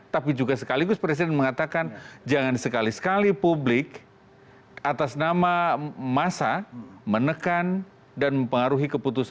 tapi juga sekaligus presiden mengatakan jangan sekali sekali publik atas nama massa menekan dan mempengaruhi keputusan